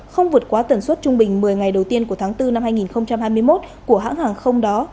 không vượt quá tẩn suất trung bình một mươi ngày đầu tiên của tháng bốn năm hai nghìn hai mươi một của hãng hàng không đó